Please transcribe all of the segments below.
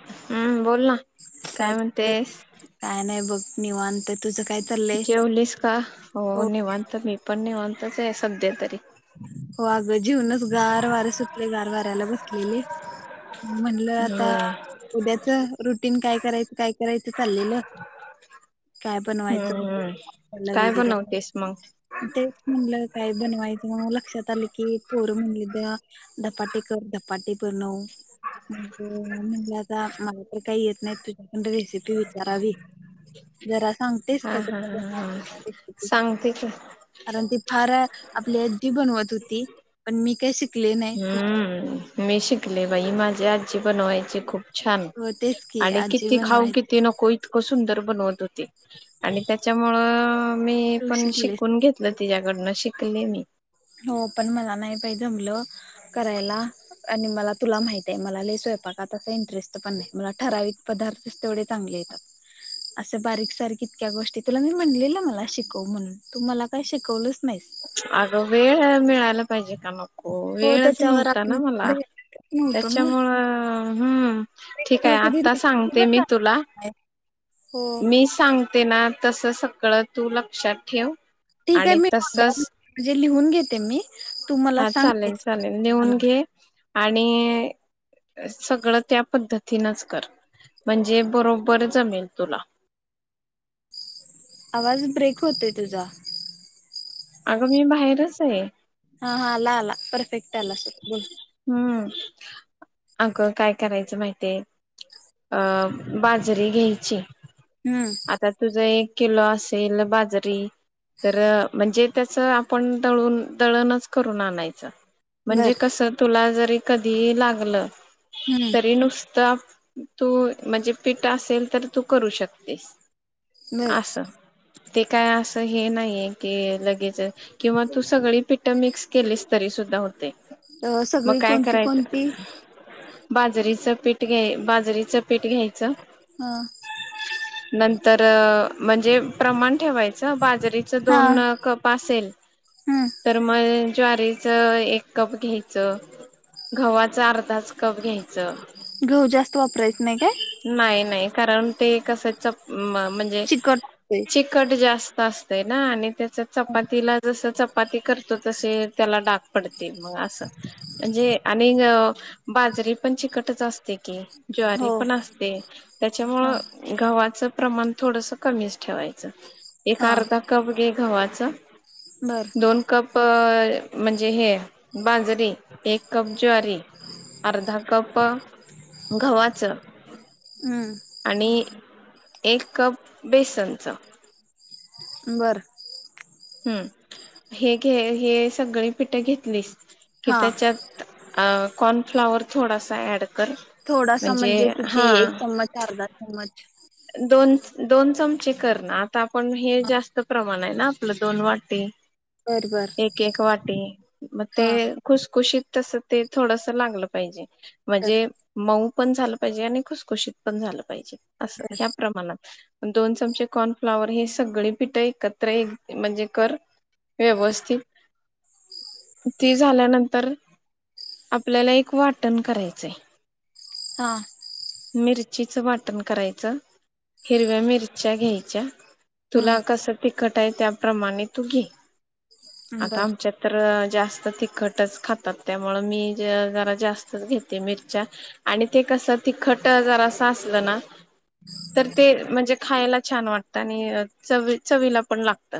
हम्म बोल ना काय म्हणतेस काय नाही बघ निवांत तुझं काय चाललंय जेवलीस का हो निवांत मी पण निवांत च सध्या तरी हो अग जेऊनच गार वार सुटले गार वाऱ्याला बसलेले म्हणलं आता होय उद्याच रुटीन काय करायचं काय करायचं चाललेलं काय हम्म बनवायचंलं काय वगैरे बनवतेस मग तेच म्हटलं काय धनवाद लक्षात आली की पोर म्हली उद्या पाटी कर पाटी ब नव मुलाता काही येत नाही तुझ्याकड रेसिपी विचारावी ज हा हा ह हा सांगते की हर आपले बनवत होती पण मी काय श हम्म मी शिकले बाई माझ्या आजी बन व्हायची खूप छान हो तेच की आणि आजी किती खाऊ बनवायचे किती नको इतकं सुंदर बनवत होत आणि त्याच्यामुळं मी तू पण शिकलेस शिकून घेतलं तिच्या डनं शिकले मी का जमलं करायला आणि मला तुला माह आहे मला स्वयपाक त इंटरेस्ट पण नाही म ठराविक पदार्थ तेवढे चग येतात असे बारीक सार इतक्या गोष्टी तुला मी म्हणलेलं मला शिकव म्हणून तू मला काही शिकवलंच नाही अगं वेळ मिळायला पाहिजे का मग हो वेळच त्याच्यावर नव्हता आपण ना मला भेटतच नव्हतो ना त्याच्यामुळं हम्म ठीक तुम्हाला आहे कधी आता रेसिपी पण सांगते मी तुला सांगितली नाही हो मी सांगते ना तस सगळं तू लक्षात ठेव ठीक आहे आणि मी तसच म्हणजे लिहून घेते मी तूमला हा चालेल सांगतेस चालेल लिहून घे आणि सगळं त्या पद्धतीनच कर म्हणजे बरोबर जमेल तुला आवाज ब्रेक होतय तुझा अगं मी बाहेरच आहे हा हा अला अला पर्फेक्ट अला बोल हम्म अगं काय करायचं माहितीय अं बाजरी घ्यायची हम्म आता तुझ एक किल असेल बाजरी तर म्हणजे त्याच आपण दळून दळणच करून आणायचं म्हणजे बर कस जरी कधी लागलं हम्म तरी नुसतं तू म्हणजे पीट असेल तर तू करू शकतेस. बर असस ते काय असं हे नाहीये की लगेच किंवा तू सगळी पिठ मिक्स केलीस तरी सुद्धा होतय. अ, मग सगळी काय कोणती करायचं, कोणती बाजरीच पीठ घ्याय बाजरीचं पीठ घ्यायचं. हा नंतर म्हणजे प्रमाण ठेवायचं बाजरीच हा दोन कप असेल, हम्म तर मग ज्वारीेचं एक कप घ्यायचं. गव्हाचा अर्धाच कप घ्यायचा, घेऊ जास्त वापरायच नाही काय? नाही नाही कारण ते कसच म्हणजे चिकट होतंय चिकट जास्त आसतय ना आणि चपातीला जस चपाती करतो तसे त्याला डाग पडत ते मग आस म्हणजे आणि बाजरी पण चिकटच असते की ज्वारी हो पण आसते हा त्याच्यामुळं गव्हाच् प्रमाण थोडसं कमीच ठेवायचं एक हा अर्धा कप घ्या गव्हाच बर दोन कप प म्हणजे हे बाजरी एक कप ज्वारी, अर्धा कप गव्हाच हम्म आणि एक कप बेसनच बरं हू, हे घे हे सगळी पिठ घेतलीस की हा त्याच्यात अ कॉनफ्लॉवर थोडासा ऍड कर थोडासा म्हणजे किती एक चमच अर्धा चमच दोन दोन चमचे कर ना आता आपण हे जास्त प्रमाण आहे ना आपलं दोन वाटी बर बर एक एक वाटी म ते हा खुसखुशीत तसं ते थोडस लागलं पाहिजे बर म्हणजे मऊ पण झालं पाहिजे आणि खुसखुशीत पण झालं पाहिजे. ह्या प्रमाणात दोन चमचे कॉनफ्लॉवर हे सगळी पिठ एकत्र एक म्हणजे कर व्यवस्थित ती झाल्यानंतर आपल्याला एक वाटण करायचंय. हा मिरचीचं वाटण करायचं. हिरव्या मिरच्या घ्यायच्या तुला हम्म कसं ती कट आहे त्याप्रमाणे तू घे. आता बर आमच्यात तर जास्त तिखटच खातात त्यामुळे मी ज जरा जास्तच घेते मिरच्या आणि ते कस तिखट जरास आसल ना तर ते म्हणजे खायला छान वाटतं आणि चवी चवीला पण लागत.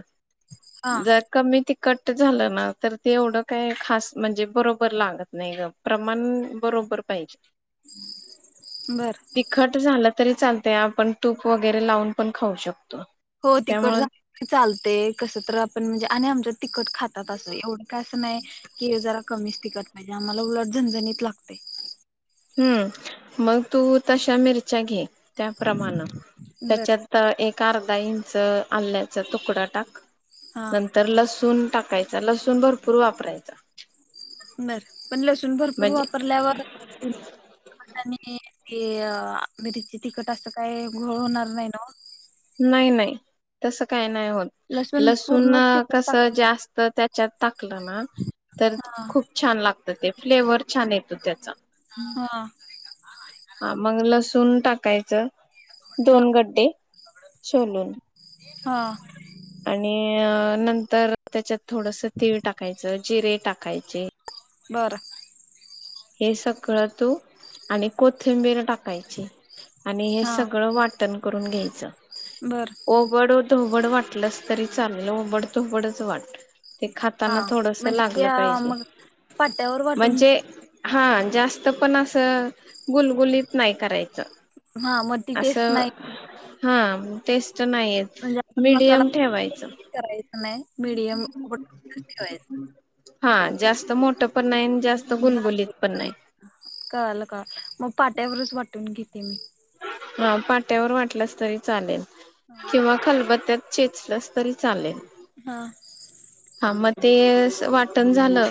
हा जर कमी ती कट झालं ना तर ते एवढं काय खास म्हणजे बरोबर लागत नाही ग प्रमाण बरोबर पाहिजे. बर तिखट झालं तरी चाल त्या आपण तूप वगैरे लावून पण खाऊ शकतो हो तिकड त्यामुळं चालते कस तर आपण म्हणजे आणि आमच्या तिकट खातात असं एवढं काय नाही की जरा कमीच टिकत पाहिजे आम्हाला उलट झणझणीत लागते हम्म मग तू तशा मिरच्या घे त्याप्रमाण बरं त्याच्यात एर् ा इंच आल्याचा तुकडा टाक हा नंतर लसूण टाकायचा लसूण भरपूर वापरायचा बरं आपण लसून भरपूर म्हणजे वापरल्यावर आणि ते मिरीची तखट असं काही घोळ होणार नाही न नाही नाही तस काय नाही लसूण ल पूर्ण चिकून कत टाकायचं त्याच्यात टाकलं ना तर हा खूप छान लागत ते फ्लेवर छान येतो त्याचा हा हा मग लसून टाकायचं हा दोन गड्डे सोलून हा आणि अ नंतर त्याच्यात थोडस तीळ टाकायचं जिरे टाकायचे बरं. हे सगळं तू आणि कोथिंबीर टाक. पाईचेआणि हे हा सगळं वाटण करून घ्यायचं. बर ओ बड तोबड वाटलस तरी चालेल ओबड तोबडच वाट. ते हा खातांना थोडस म्हणजे लागलं त्या पाहिजे मग पाट्यावर वाटून म्हणजे हा जास्त पण असं गुलगुलीत नाही करायचं हा म त टेस्ट असं नाही. हा तेच. जनाही म्हणजे आपण मीडीयम ठेवायच. मीडिम [unintelligible] ठेवायच. हा जास्त मोठ पण नाही न, ब कळाल का? पाट्यावरच वाटून घेते मी. हा पाट्यावर वाटलस तरी चालेल. किंवा खलबत्यात. चेचलास तरी चालेल. हा. हा म तेस वाटण झालं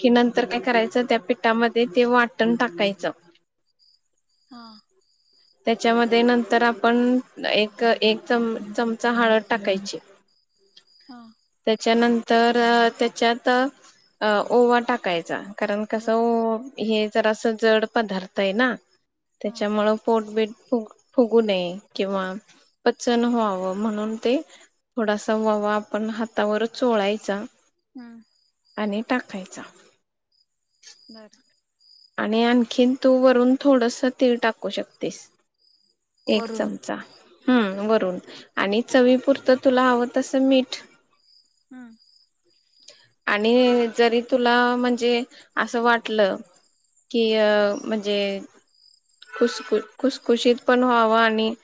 की नंतर काय करायचं त्या पिठामध्ये ते वाटण टाकायचं. हा. त्याच्यामध्ये नंतर आपण एक एक चम चमचा हाळद टाकायची. हा त्याच्यानंतर अ त्याच्यात अ ओवा टाकायचा. कारण कसं बर वो हे ज असं जड पदार्थ हे ना, हा त्याच्यामुळं. फुग फूगु नये किंवा पचन व्हावं म्हणून ते थोडासा ववा आपण हातावर चोळायचा हम्म. आणि टाकायचा. बर आणि आणखीन तू वरून थोडंस तीळ टाकू शकतेस. एक वरून चमचा. हम्म वरून आणि चवी पुुरतं तुला हवंत असं मीठ. हम्म. आणि जरी तुला म्हणजे असं वाटलं कि अ म्हणजे खुसखु खुसखुशीत पण व्हावं आणि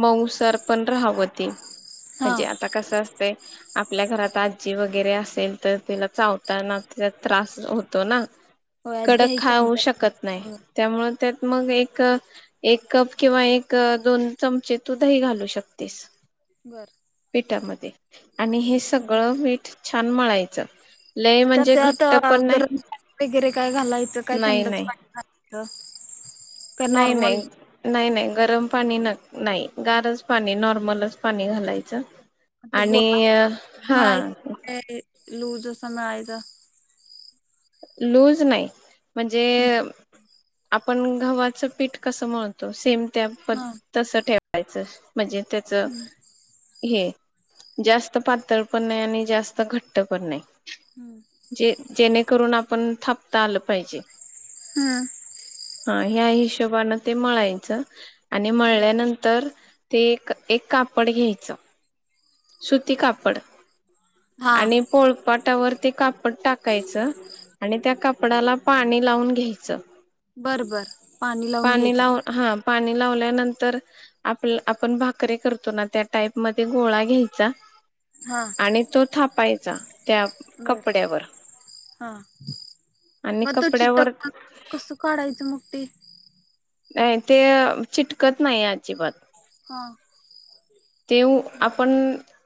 मऊसार पण राहावं ते. हा. म्हणजे आता कसं असय. आपल्या घरात आजी वगैरे असेल तर तिला चावताना त्याचा त्रास होतो ना हो अज कडक खाऊ शकत नाही त्यामुं त्यात मग एक एक कप किंवा एक दोन चमचे तू दही घालू शकतेस बरं म आणि हे सगळं वीठ तन्मळायच मग आता गरम पाणी वगैरे काय घालायचं काय नाही थंडच नाही पाणीय काय नाही नॉर्मल नाही नाही नाही गरम पाणी नाही गारच पाणी नॉर्मलच पाणी घालायचं गोवा आणि हा मला लूज समय आयग लूज नाही म्हणजे आपण ग्हाच पीठ कसं म्हणतो सेम त्या पण हा तसं ठेवायचं म्हणजे त्याचं हम्म हे जास्त पातळ पण नाही आणि जास्त घट्ट पण नाही हम्म ज जेणे करून पण थापता आलं पाहिजे हमम हा ह्या हिशोबाने ते म्हळायचं आणि बर म्हळल्यानंतर ते एक एक कापड घ्यायचं सुती कापड हा आणि पोळपाटावर ते कापड टाकायचं आणि त्या कापडाला पाणी लावून घ्यायचं बर बर पाणी लावून घ्यायचं लाव हा पाणी लावल्यानंतर आप आपण भाकरीे करतो ना त्या टाईप म गोळा घ्यायचा हा च् आणि तो थपायचा अच्छा बर हा आणि मग तो चिक कपड्यावर कस काढायचं मग ते नाही ते चिटकत नाही अजिबात हा तेव बर. आपण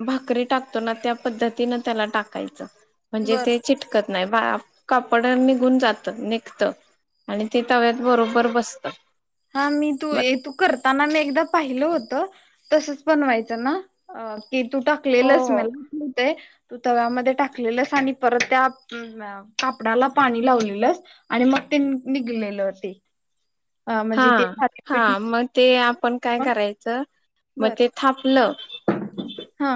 भाकरी टाकतो ना त्या पद्धतीनं त्याला टाकायचं म्हणजे बर. ते चिटकत नाही बा कापड निघून जातात निघत आणि ते तव्यात बरोबर बसत हा मी तू ब तू करताना मी एकदा पाहिलं होत तसच बनवायचं ना अ की तू टाकलेलंस मलात तू तव्यामध्ये टाकलेलस आणि परत त्या कापडाला पाणी लावलेलंस आणि मग ते निघलेले होते हा हा मग ते आपण काय मग करायचं मग बर ते थापलं हा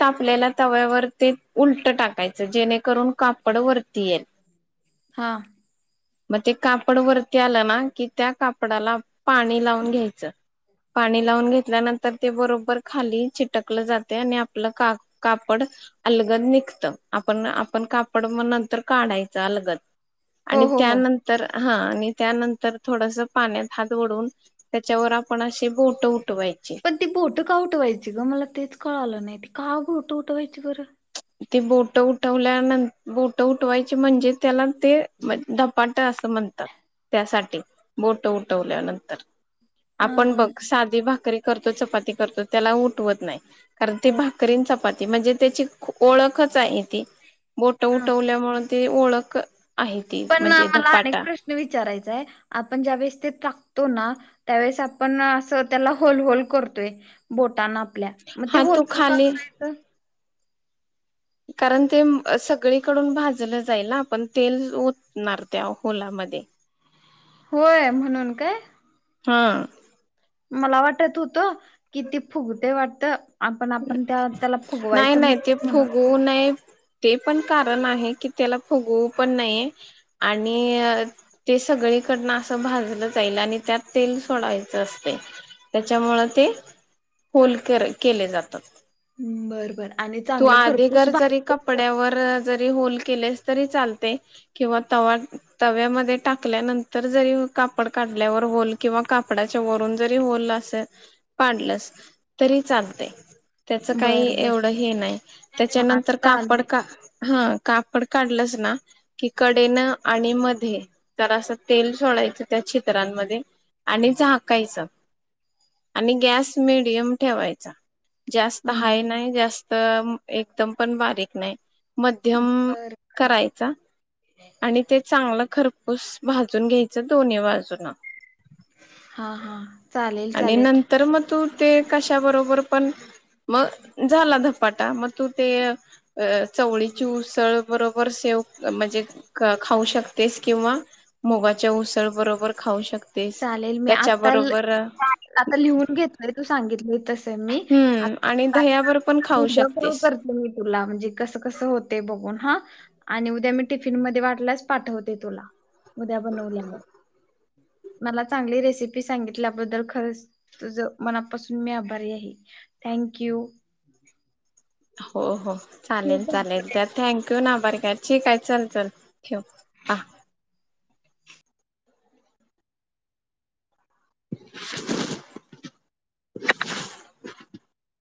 तापल्याला तव्यावर ते उलट टाकायचं जेणेकरून कापड वरती येईल हा मग ते कापड वरती आलं ना की त्या कापडाला पाणी लावून घ्यायचं पाणी लावून घेतल्यानंतर ते बरोबर खाली चिटक कलं जाते आणि आपलं का कापड अलगत निघत आपण आपण कापड म नंतर काढायचं अलगत हो आणि हो हो. त्यानंतर हा आणि त्यानंतर थोडस पाण्यात हातओढून त्याच्यावर आपण असे बोट उ पण ती बोट कावठवायची ग मला तेच कळ आलं नाही का गोट उठ वयची बरं तेी बोट उठवल्यानंत बोट उठवायची म्हणजे त्याला ते धपाट असं म्हणतात त्यासाठी बोट उठवल्यानंतर हा आपण हा बघ साधी भाकरी करतो चपाती करतो त्याला उठवत नाही कारण ते हो भाकरींचा पट ते म्हणजे त्याची ओळखच आहे ती बोट हा उठवल्यामुळे ते ओळख आहे ती पण म्हणजे मला अनेक धपाटा प्रश्न विचारायचाय आपण ज्या वेळेस ते त्याळेस आपण त्या होल होल करतोय बोट आपल्या मग ते हा तू होलल का खाली करायचं कारण ते सगळीकडून भाजलं जाईल पण तेल होतणार त्या होलामध्ये होय म्हणून काय हा मला वाटत होत कि ते फुगते वाटत आपण आपण त्या त्याला नाही फुगवायचं नाही नसत ते म्हणून फुगवू नये ते पण कारण आहे की त्याला फुगवू पण नाहीे आणि ते सगळीकडनं असं भाजलं जाईल आणि त्यात तेल सोडायचं असते त्याच्यामुळ ते होल कर केले जाते. तात ह्म बर बर आणि तू चांगलं आधी खरपूस घर जरी भाजून घ्यायचं कपड्यावर जरी होल केलेस तरी चालते किंवा त तव्यामध्ये टाकल्यानंतर जरी कापड काढल्यावर होल किंवा कापडाच्या वरून जरी होल अस काडलस तरी चालते. त्याच काही बर बर एवढं हा त्याड चालतंय [unintelligible] काढलंच ना कि कडेन आणि मध्ये तर असं तेल सोडायचं त्या छीद्रामध्ये आणि झाकायचं आणि गॅस मिडियम ठेवायचा. जास्त हम्म हाय नाही जास्त तर एकदम पण बारीक नाही मध्यम बर करायचा आणि ते चांगलं खरपूस भाजून घ्यायच दोन्ही बाजून हा हा चालेल आणि चालेल नंतर मग तू ते कशा बरोबर पण मग झाला धपाटा मग तू ते चवळीची उसळ बरोबर सेव म्हणजे खाऊ शकतेस किंवा मुगाच्या उसळ बरोबर खाऊ शकते. तेच चालेल मी त्याच्या आता बरो बरं आता लिहून घेतलंय तू सांगितली तस मी आत हम्म आणि दह्यावर पण [inaudible] खाऊ नंतर कॉल शकतेस करते मी तुला म्हणजे कसं कसं होते बघून. हां आणि उद्या मी टिफिन मध्ये वाटल्यास पाठवते तुला उद्या बनवल्यावर. मला चांगली रेसिपी सांगितल्याबद्दल खरंच तुझ मनापासून मी आभारी आहे थँक्यू. हो हो. चालेल का चालेल तर थँक्यू. [unintelligible] ठीकाय चल चल ठेव आहं. [inaudible]